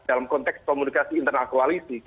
dalam konteks komunikasi internal koalisi